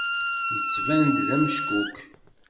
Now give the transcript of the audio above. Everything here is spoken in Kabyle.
Yettban-d d ameckuk.